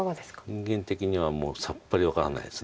人間的にはもうさっぱり分からないです。